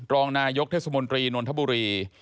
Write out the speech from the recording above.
รองนายกเทศมนตรีนนทบุรี